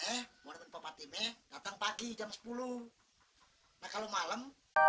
nah kalau malem